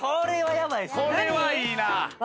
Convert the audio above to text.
これは、いいな！